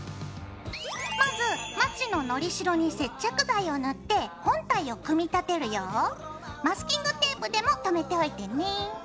まずまちののりしろに接着剤を塗ってマスキングテープでもとめておいてね。